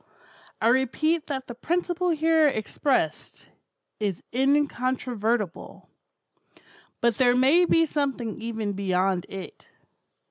I repeat that the principle here expressed, is incontrovertible; but there may be something even beyond it.